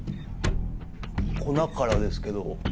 粉からですけど。